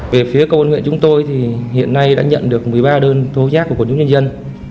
về phía công an huyện chúng tôi hiện nay đã nhận được một mươi ba đơn thô giác của quần chúng nhân dân